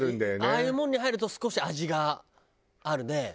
ああいうもんに入ると少し味があるね。